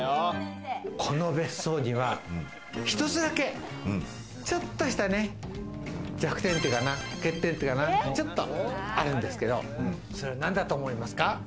この別荘には一つだけ、ちょっとしたね、弱点っていうのかな、欠点っていうかなあるんですけど、それは何だと思いますか？